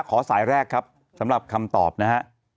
สายแรกครับสำหรับคำตอบนะฮะ